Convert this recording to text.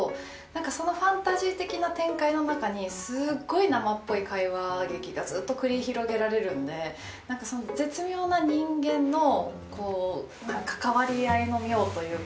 そのファンタジー的な展開の中にすっごい生っぽい会話劇がずっと繰り広げられるんで何かその絶妙な人間の関わり合いの妙というか